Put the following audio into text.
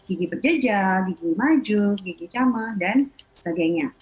gigi berjejal gigi maju gigi cama dan sebagainya